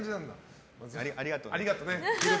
ありがとね。